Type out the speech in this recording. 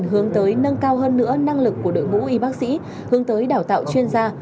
hướng tới nâng cao hơn nữa năng lực của đội ngũ y bác sĩ hướng tới đào tạo chuyên gia